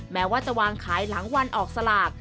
แม้ว่าจะวางขายหลังวันออกสลาก